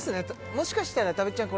もしかしたらたぶっちゃん